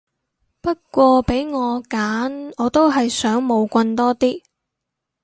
不過俾我揀我都係想冇棍多啲